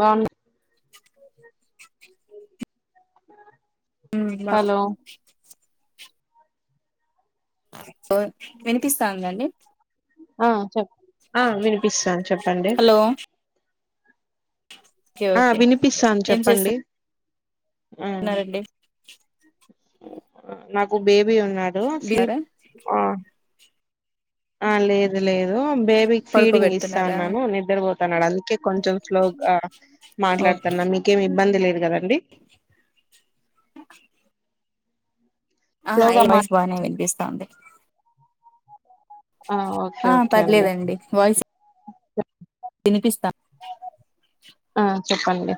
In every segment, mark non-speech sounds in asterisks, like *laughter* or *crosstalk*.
బాగున్నాయి ఉ బా వినిపిస్తా ఉందండి ఆ చెప్ప ఆ వినిపిస్తాంది చెప్పండి హలో ఓకే ఆ ఓకే వినిపిస్తాంది చెప్పండి ఉన్నారండి నాకు బేబీ ఉన్నాడు బిహారా స్లీప్ ఆ లేదు లేదు బేబీకి ఫీడింగ్ పడుకోబెడుతున్నారా ఇస్తాన్నాను నిద్రపోతాన్నాడు అందుకే కొంచెం స్లోగ ఓకే మాట్లాడుతున్నా మీకేమి ఇబ్బంది లేదు కదండి ఆహా ఈ స్లోగా మా వాయిస్ బానే వినిపిస్తాంది ఆ ఓకే ఆ ఓకే అండి పర్లేదండి వాఇస్ వినిపిస్తాంది ఆ చెప్పండి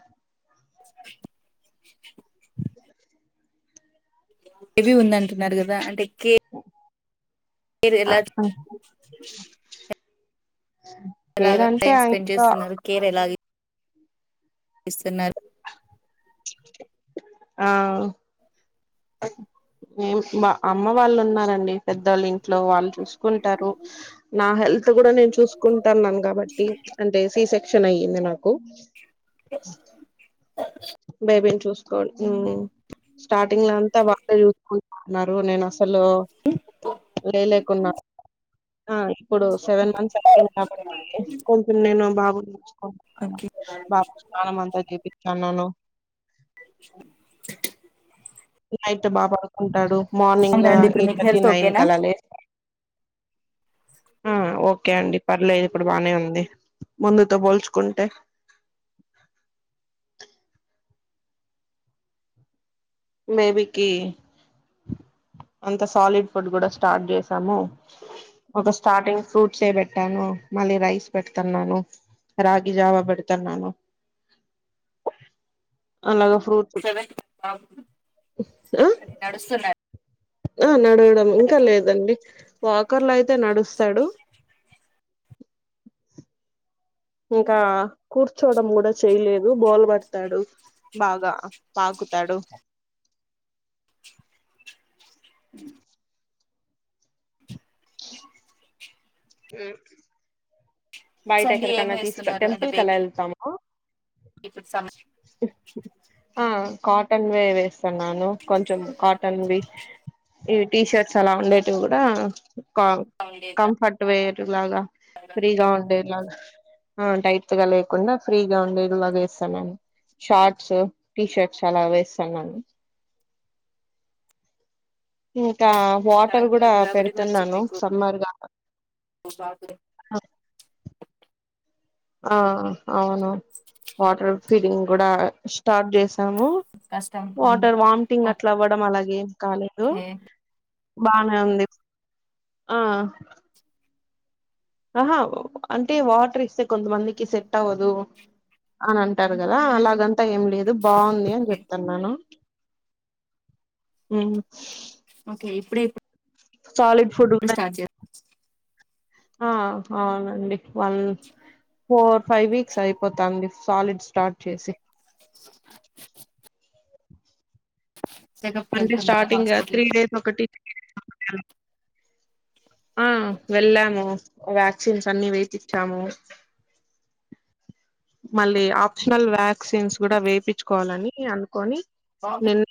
ఇవి ఉన్నంత మీరు ఎలాగ ఎలాగా పేరంటే టైం ఆ స్పెండ్ ఇంట్లో చేస్తున్నారు కేర్ ఎలాగ ఎస్న *unintelligible* ఆ అమ్మ వాళ్ళు ఉన్నారండి పెద్దవాళ్ళు ఇంట్లో వాళ్ళు చూసు కుంటారు నా హెల్త్ కూడా నేను చూసుకుంటాన్నాను కాబట్టి అంటే సిస క్షణై నయింది నాకు భయ భం చూసుకో స్టార్టింగ్ లో అంతా బాగా చూసు ఆరోజు నేను అసలు లే లేకున్నా ఆ ఇప్పుడు సెవెన్ మంత్స్ అ కాబట్టి కొంచెం నేను బాగుండచ్చు ఓకే బాబుకి స్నానం అంత చేపిస్తున్నాను నైట్ బాగా పడుకుంటాడు మార్నింగ్ అవునండి ఇప్పుడు ఎయిట్ మీకు థర్టీ హెల్త్ నైన్ ఓకేనా కు అలా లేస్తాడు ఆ ఓకే అండి పర్లేదు ఇప్పుడు బానే ఉంది ముందుతో పోల్చుకుంటే అంది బేబీకి అంత సాలిడ్ ఫుడ్ కూడా స్టార్ట్ చేసాము ఒక స్టార్టింగ్ ఫ్రూట్స్ ఏ పెట్టాను మళ్ళీ రైస్ పెడుతున్నాను రాగి జావా పెడుతున్నాను అ అలాగ సెవెంత్ ఆ ఊ అవునా నడడం ఇంకా లేదండి వాకర్లు అయితే నడుస్తాడు ఇంకా కూర్చోడం కూడా చేయలేదు బోల్బడతాడు బాగా పాకుతాడు హ్మ్మ్ బయట సండే ఏమి ఎక్కడికన్నా తీసుకు వేస్తున్నారు అంటే టెంపుల్ కలా బేబీ వెళ్తాము ఇప్పుడు సమస్య ఆ కాటన్ వే వేస్తాన్నాను కొంచెం కాటన్వి ఇవి టీషర్ట్స్ అలా ఉండేటివి కూడా ఉండేది కంఫర్ట్ వేర్ లాగా ఫ్రీగా ఉండేర్లాగా ఆ టైట్ గా లేకుండా ఫ్రీగా ఉండేలాగా వేస్తాను నేను షార్ట్స్ టీషర్ట్స్ అలా వేస్తాన్నాను ఇంకా వాటర్ సెవెంత్ కూడా మంత్ పెడుతున్నాను సమ్మర్గా బాత్లో ఆ అవును వాటర్ ఫీడింగ్ కూడా స్టార్ట్ చేస్త కష్టం వాటర్ వామిటింగ్ అట్లా అవ్వడం అలాగేం కాలేదు ఓకే బానే ఉంది ఆ ఆహా అంటే వాటర్ ఇస్తే కొంతమందికి సెట్ అవ్వదు అన అంటారు కదా అలాగం ఏం లేదు బాగుంది అని ఓకే చెప్తున్నాను హ్మ్మ్ ఓకే ఇప్పుడే సాలిడ్ ఫుడ్ ఉ స్టార్ట్ చేస్ ఆ అవునండి వన్ ఫోర్ ఫైవ్ వీక్స్ అయిపోతాంది సాలిడ్ స్టార్ట్ చేసి చెకప్కి అంటే వెళ్తున్నారా స్టార్టింగ్ త్రీ హాస్పిటల్కి డేస్ ఒకటి ఆ వెళ్ళాము వ్యాక్సిన్స్ అన్ని వేపిచ్చాము మళ్ళీ ఆప్షనల్ వ్యాక్సిన్స్ కూడా వేయిించుకోవాలని అనుకొని బాబు నిన్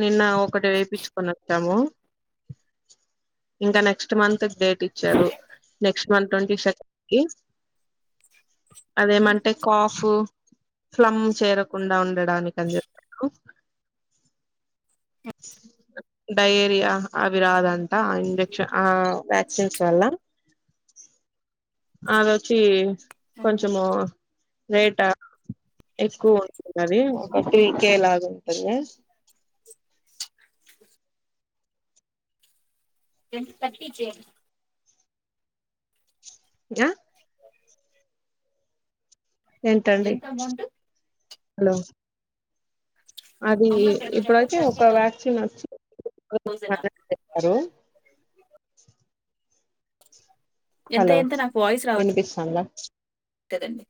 నిన్న ఒకటి వేపిచ్చుకొని ఒచ్చాము ఇంక నెక్స్ట్ మంత్ డేట్ ఇచ్చారు నెక్స్ట్ మంత్ ట్వంటీ సెకన్ కి అదేమన్ టే కాఫ్ ఫ్లమ్ చేరకుండా ఉండడానికని చెప్పీరు డయేరియా అవి రాదంట ఆ ఇంజెక్షన్ ఆ వ్యాక్సిన్స్ వల్ల అ అదొచ్చీ కొంచెమూ రేటా ఎక్కువ ఉంటది అది ఒక పీకే లాగా ఉంటుంది ఎన్ తట్టి జె గ ఏంటండి ఎంత అమౌంట్ హలో అదీ అమౌంట్ ఎట్లా ఇప్పుడైతే ఒక వ్యాక్సిన్ ఒచ్చి ఓజన ఎంత హలో ఎంత నాకు వాయిస్ వినిపిస్తాందా రావట్లేదండి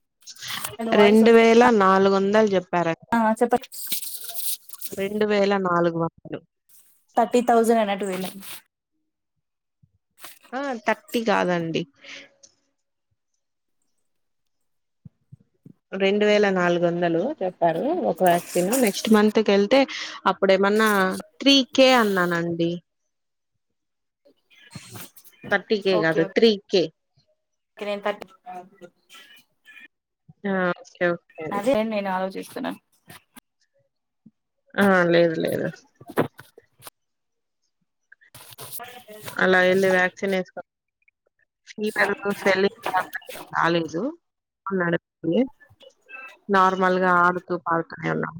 హలో వాయిస్ రెండు వస్తా వేల నాలుగున్ దల్ జెప్పారండి చెప్ప రెండు వేల నాలుగు వందలు థర్టీ తౌసండ్ అన్నటు విన్న ఆ థర్టి గాదండి రెండు వేల నాలుగు వందలు చెప్పారు ఒక వ్యాక్సిన్ నెక్స్ట్ మంత్ కెళ్తే అ ఇప్పుడేమన్నా త్రీ కే అన్నానండి థర్టీ కే గాదు త్రీ కే కే నేన్ థట్టి ఆ ఓకే అదే నేను ఆలోచిస్తున్నా ఆ లేదు లేదు *inaudible* అలా వెళ్ళి వ్యాక్సిన్ ఏసుకో *unintelligible* రాలేదు అన్నాడు నార్మల్ గా ఆడుతూ పాల్తనే ఉన్నా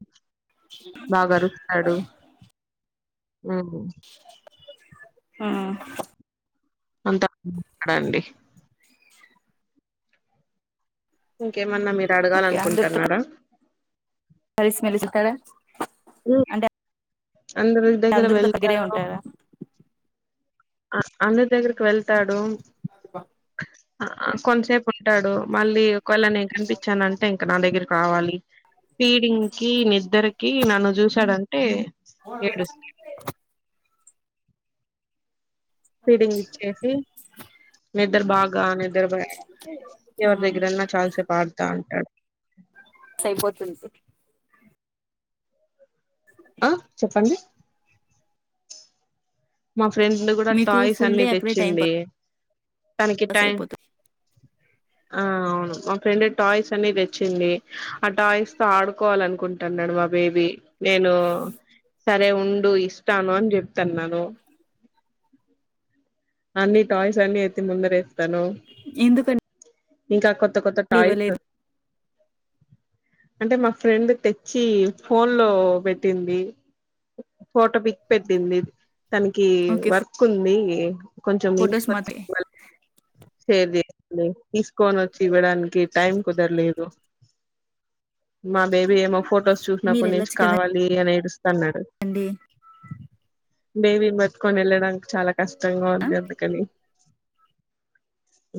బాగ అరుస్తాడు ఊహు ఊ అంత *inaudible* డండి ఇంకేమన్నా మీరు అడగాలనుకుంటున్నారా అలిసి మెలిస్తాడ ఉహ్ అందరు దగ్గర అందరితో దగ్గరే వెళ్తాడు ఉంటారా అ అందరి దగ్గరకి వెళ్తాడు అ అ కొంతసేపు ఉంటాడు మళ్ళీ ఒకవేళ నేన్ ఏం కనిపించానంటే ఇంక నా దగ్గరి కావాలి ఫీడింగ్ కి నిద్దరికి నన్ను చూసాడంటే అ ఏడుస్తా ఫీడింగ్ ఇచ్చేసి నిద్దర బాగా ని *unintelligible* ఎవర్ దగ్గరన్నా చాల సేపు ఆడుతా అంటాడు సైపోతుంది అ చెప్పండి మా ఫ్రెండ్ గూడా మీకు టాయ్స్ ఫుల్ అన్ని డే అక్కడే టైం తెచ్చింది తనకి పాస్ టైం అయిపోతుంది ఆ అవును మా ఫ్రెండ్ టాయ్స్ అన్నీ తెచ్చింది, ఆ టాయ్స్ తో ఆడుకోవాలనుకుంటున్నాడు వా బేబీ నేనూ సరే ఉండు ఇస్తాను అని చెప్తన్నాను అన్ని టాయ్స్ అన్ని ఎత్తి ముందర ఏస్తాను ఎందుకంటే ఇంకా కొ కొత్త కొత్త టాయిస్ ఇవ్వలేదు అంటే మా ఫ్రెండ్ తెచ్చి ఫోన్ లో పెట్టింది ఫోటో పిక్ పెట్టింది తనకి ఓకే వర్క్ ఉంది కొంచెం ఫొటోస్ ఇంట్లో వ మాత్రమే వర్క షేర్ చేయి తీసుకొని వచ్చి ఇవ్వడానికి టైం కుదరలేదు మా బేబీ ఏమో ఫొటోస్ మీరు చూసినప్పుడు నుంచి వెళ్ళొచ్చు కావాలి అని ఏడుస్తన్నాడు కదండి బేబీని పట్టుకొని వెళ్ళడానికి చాలా కష్టంగా ఆ ఉంది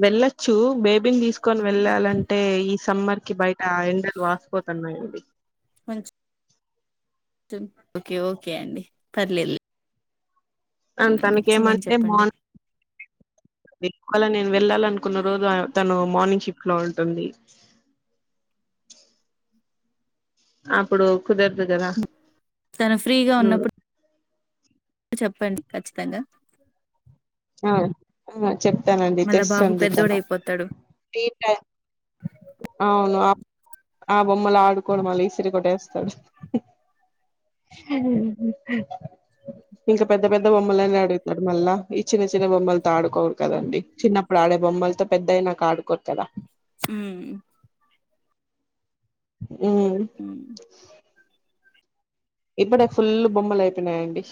వెళ్ళోచ్చు బేబి బేబి తీసుకొని వెళ్ళాలంటే ఈ సమ్మర్ కి బయట ఆ ఎండలు వాసిపోతున్నాయండి మంచ్ ఓకే ఓకే అండి పర్లేదు అ తనకే ఏమంటే మ చెప్పండి అలా నేను వెళ్ళాల అనుకున్న రోజు తను మార్నింగ్ షిఫ్ట్ లో ఉంటుంది అప్పుడు కుదరదు కదా తను ఫ్రీగా హ్మ్. ఉన్నప్పుడు చెప్పండి ఖచ్చితంగా ఆ చెప్తానండి మళ్ళా బాబు తెస్తుంది పెద్దోడు తను అయిపోతాడు అవును ఆ బొమ్మలు ఆడుకోడు మళ్ళీ ఇసిరికట్టేస్తాడు ఇంకా పెద్ద పెద్ద బొమ్మలని అడుగుతాడు మళ్ళా ఇచ్చిన చిన్న చిన్న బొమ్మలతో ఆడుకోరు కదండి చిన్నప్పుడు ఆడే బొమ్మలతో పెద్ద అయి నాకు ఆడుకోరు కదా హమ్ అమ్ ఉమ్ ఇప్పుడే ఫుల్ బొమ్మలు అయిపోయినాయండి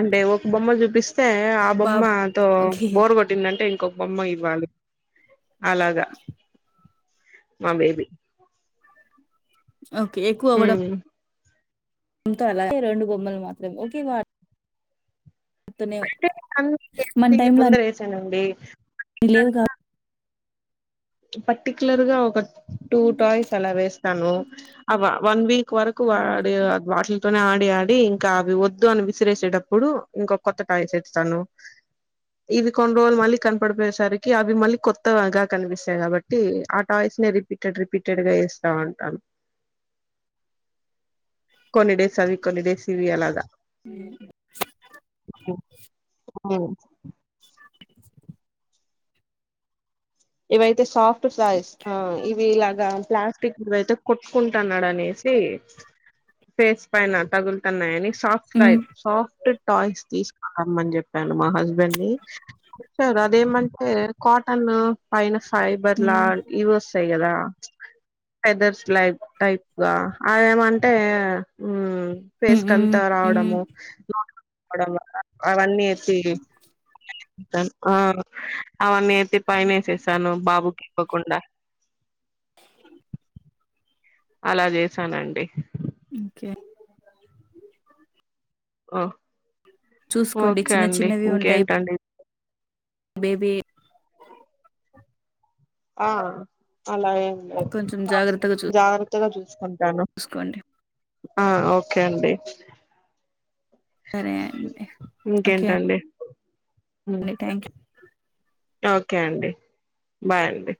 అంటే ఒక బొమ్మలు చూ అయితే ఆ బాబు బొమ్మతో ఓకే బోరు కొట్టిందంటే ఇంకొక బొమ్మ ఇవ్వాలి అలాగా మా బేబీ ఓకే ఎక్కువ అవ్వడం హ్మ్ అంతో అలాగే రెండు బొమ్మలు మాత్రమే ఓకే మా అంటే మన అన్న టైంలో ముందర వేసానండి లేవు గా పర్టిక్యులర్ గా ఒక టూ టాయ్స్ అలా వేస్తాను వన్ వీక్ వరకు వాటిల్ తోనే ఆడి డి ఇంకా అవి వద్దు అని విసిరేసేటప్పుడు ఇంకో కొత్త టాయి తేస్తాను ఇవి కొన్ని రోజులు మళ్ళీ కనపడిపోయేసరికి అవి మళ్ళీ కొత్తగా కనిపిస్తాయి స్తాయి కాబట్టి ఆ టాయిస్ ని రిపీటెడ్ రిపీటెడ్ గా ఇస్తా అంటాను కొన్ని డేస్ అవి కొన్ని డేస్ ఇవి అలాగా అమ్ అమ్ ఇవయితే సాఫ్ట్ సాయిస్ ఆ ఇవి ఇలా రాం ప్లాస్టిక్ అయితే కొట్టుకుంటున్నాడు అనేసి ఫేస్ పైన తగులుతున్నాయని సాఫ్ట్ ఉమ్ సాయిస్ సాఫ్ట్ టాయిస్ తీసుకురమ్మని చెప్పాను మా హస్బెండ్ ని చచ్చారు అదేమంటే కాటన్ పైన ఫైబర్ లా ఉమ్ ఇవి వస్తాయి కదా ఫెదర్స్ లై టైప్ గా అవేమంటే ఉమ్ ఫేస్ ఉమ్ కంతా ఉమ్ రావడము రావ అవన్నీ ఆ అ మీతే పైనే శాను బాబు కి ఇవ్వకుండా అలా చేసానండి ఓకే ఓ చూసుకోండి ఓకే చిన్న అండి చిన్నవి ఉంటాయి ఇంకేంటండి బేబీ ఆ అలాగే ఉండ కొంచెం జాగ్రత్తగా జాగ్ర త్తగా చూసుకుంటాను చూసుకోండి ఆ ఓకే అండి సరే అండి ఓకే ఇంకేంటండి అండి థ్యాంక్ యూ ఓకే అండి బాయ్ అండి